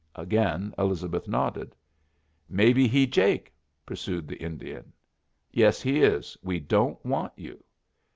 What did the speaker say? Again Elizabeth nodded. "Maybe he Jake?" pursued the Indian. "Yes, he is. We don't want you."